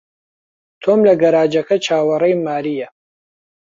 تۆم لە گەراجەکە چاوەڕێی مارییە.